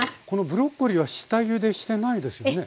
このブロッコリーは下ゆでしてないですよね？